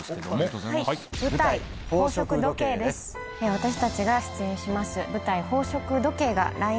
私たちが出演します舞台。